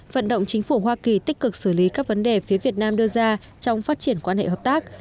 vận động chính phủ hoa kỳ tích cực xử lý các vấn đề phía việt nam đưa ra trong phát triển quan hệ hợp tác